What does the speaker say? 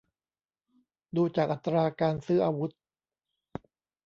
ดูจากอัตราการซื้ออาวุธ